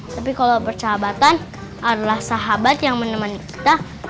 tapi kalau bersahabatan adalah sahabat yang menemani kita